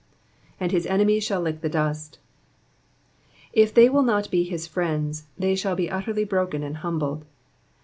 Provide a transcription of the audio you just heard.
""And his enemies shall lick the dmt,'''' If they will not be his friends, they shall be utterly broken and humbled.